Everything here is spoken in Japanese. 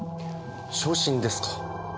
昇進ですか。